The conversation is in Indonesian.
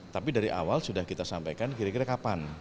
tapi dari awal sudah kita sampaikan kira kira kapan